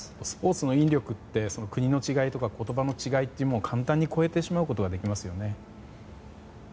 スポーツの引力って国の違いとか言葉の違いを簡単に超えてしまうことができますよね。